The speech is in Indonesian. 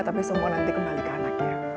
tapi semua nanti kembali ke anaknya